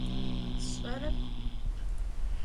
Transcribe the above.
Sş'erep.